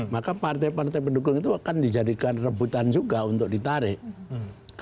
maka partai partai pendukung itu akan dijadikan rebutan juga untuk ditarik